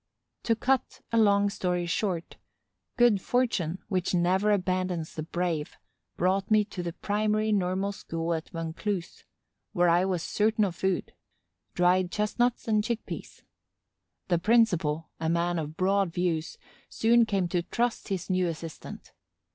To cut a long story short: good fortune, which never abandons the brave, brought me to the primary normal school at Vaucluse, where I was certain of food: dried chestnuts and chick peas. The principal, a man of broad views, soon came to trust his new assistant.